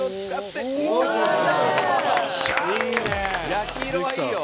焼き色はいいよ。